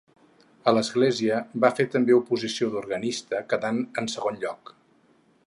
A l'església va fer també oposició d'organista, quedant en segon lloc.